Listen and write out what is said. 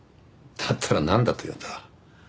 だったらなんだというんだ。